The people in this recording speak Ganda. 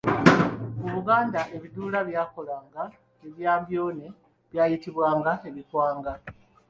Mu Buganda ebiduula ebyakolanga ebyambyone byayitibwanga ebikwanga.